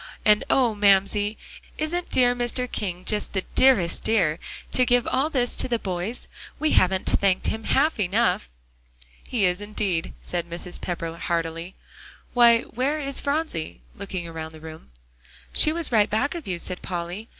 And oh! Mamsie, isn't dear Mr. King just the dearest dear, to give all this to the boys? We haven't thanked him half enough." "He is indeed," said Mrs. Pepper heartily. "Why, where is Phronsie?" looking around the room. "She was right back of you," said Polly.